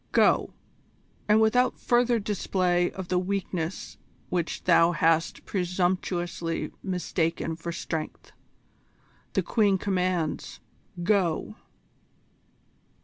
Go, and without further display of the weakness which thou hast presumptuously mistaken for strength. The Queen commands go!"